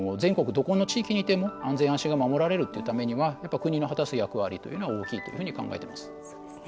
どこの地域にいても安心・安全が守られるといったためには国の果たす役割は大きいと思います。